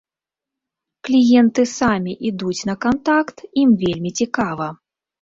Кліенты самі ідуць на кантакт, ім вельмі цікава.